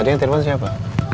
tadi yang telfon siapa